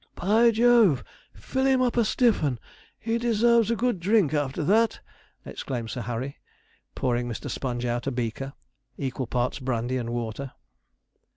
'By Jove, fill him up a stiff'un! he deserves a good drink after that!' exclaimed Sir Harry, pouring Mr. Sponge out a beaker, equal parts brandy and water.